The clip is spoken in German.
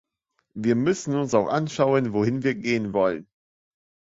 Wir müssen uns auch anschauen, wohin wir gehen wollen.